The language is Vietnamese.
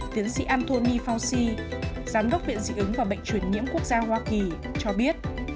tiến sĩ antony fauci giám đốc viện dị ứng và bệnh truyền nhiễm quốc gia hoa kỳ cho biết